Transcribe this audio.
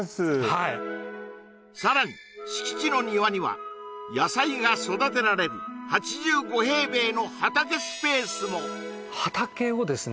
はいさらに敷地の庭には野菜が育てられる８５平米の畑スペースも畑をですね